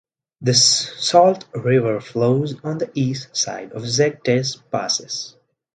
The Sault river flows on the east side of the zec des Passes.